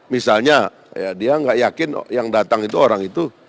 misalnya ya dia nggak yakin yang datang itu orang itu